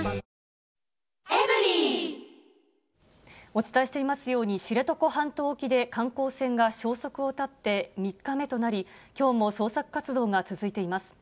お伝えしていますように、知床半島沖で観光船が消息を絶って３日目となり、きょうも捜索活動が続いています。